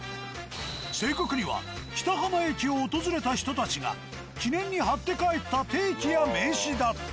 正確には北浜駅を訪れた人たちが記念に貼って帰った定期や名刺だった。